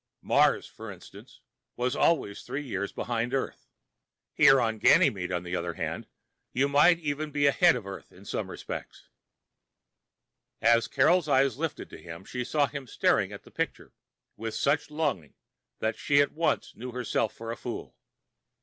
Mars, for instance, was always three years behind Earth. Here on Ganymede, on the other hand, you might even be ahead of Earth in some respects. As Carol's eyes lifted to his, she saw him staring at the picture with such longing that she at once knew herself for a fool.